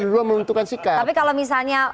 dua dua menentukan sikap tapi kalau misalnya